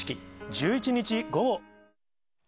１１日午後。